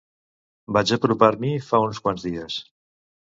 Vaig apropar-m'hi fa uns quants dies.